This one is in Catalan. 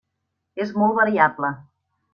És molt variable.